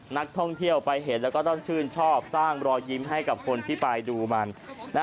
นักท่องเที่ยวไปเห็นแล้วก็ต้องชื่นชอบสร้างรอยยิ้มให้กับคนที่ไปดูมัน